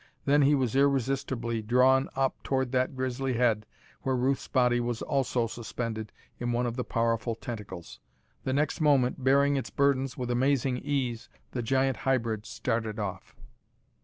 Then he was irresistibly drawn up toward that grisly head where Ruth's body was also suspended in one of the powerful tentacles. The next moment, bearing its burdens with amazing ease, the giant hybrid started off.